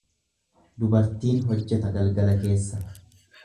Dubartiin hojjeta galgala keessa.